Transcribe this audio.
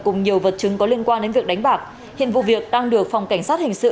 cùng nhiều vật chứng có liên quan đến việc đánh bạc hiện vụ việc đang được phòng cảnh sát hình sự